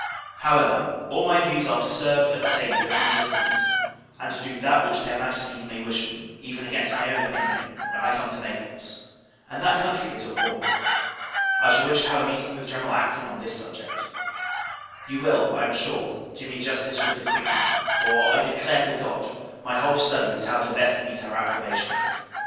However, all my views are to serve and save the Two Sicilies; and to do that which their Majesties may wish me, even against my own opinion, when I come to Naples, and that country is at war. I shall wish to have a meeting with General Acton on this subject. You will, I am sure, do me justice with the Queen; for, I declare to God, my whole study is, how to best meet her approbation.